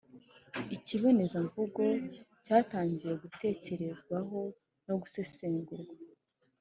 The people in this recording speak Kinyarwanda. Ikibonezamvugo cyatangiye gutekerezwaho no gusesengurwa